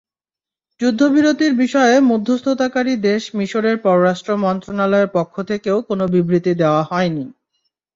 যুদ্ধবিরতির বিষয়ে মধ্যস্থতাকারী দেশ মিসরের পররাষ্ট্র মন্ত্রণালয়ের পক্ষ থেকেও কোনো বিবৃতি দেওয়া হয়নি।